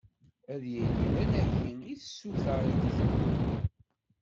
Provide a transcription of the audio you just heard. Ad yili d anagi i tsuta i d-iteddun.